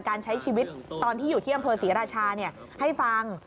การใช้ชีวิตตอนที่อยู่ที่อำเภอศรีราชาให้ฟัง